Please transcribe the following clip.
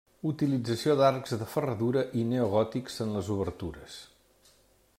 Utilització d'arcs de ferradura i neogòtics en les obertures.